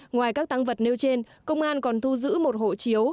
ngoài các tăng vật nêu trên công an còn thu giữ một hộ chiếu